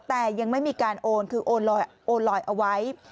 แต่ยังไม่มีการโอนคือโอนลอยเอาไว้